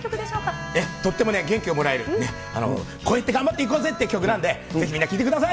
とっても元気をもらえる、こうやって頑張っていこうぜって曲なんで、ぜひみんな聴いてください。